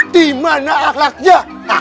di mana akhlaknya